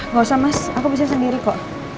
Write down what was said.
gak usah mas aku bisa sendiri kok